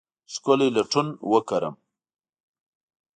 ښکلې لټون وکرم